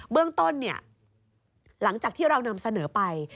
เบื้องต้นหลังจากที่เรานำเสนอไป